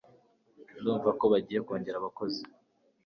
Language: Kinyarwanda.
ndumva ko bagiye kongera abakozi